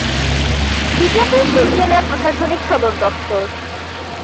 বিজাপুর শুর জেলার প্রশাসনিক সদর দফতর।